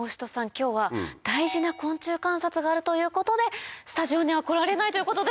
今日は大事な昆虫観察があるということでスタジオには来られないということです。